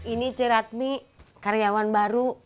ini c ratmi karyawan baru